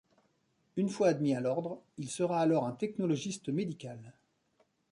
Une fois admis à l'Ordre, il sera alors un technologiste médical.